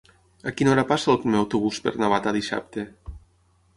A quina hora passa el primer autobús per Navata dissabte?